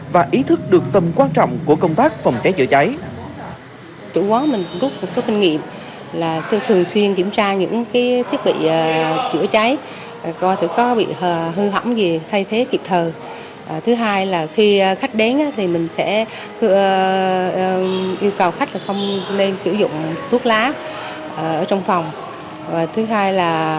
và ý thức được tâm quan trọng của công tác phòng cháy chữa cháy